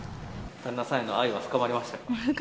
旦那さんへの愛は深まりましたか？